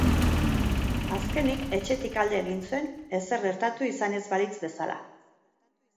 Azkenik, etxetik alde egin zuen ezer gertatu izan ez balitz bezala.